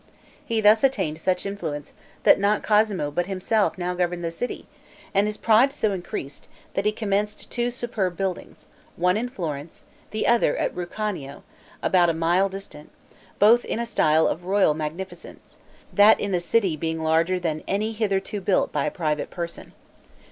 He thus attained such influence, that not Cosmo but himself now governed the city; and his pride so increased, that he commenced two superb buildings, one in Florence, the other at Ruciano, about a mile distant, both in a style of royal magnificence; that in the city, being larger than any hitherto built by a private person.